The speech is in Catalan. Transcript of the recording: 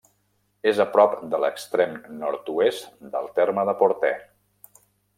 És a prop de l'extrem nord-oest del terme de Portè.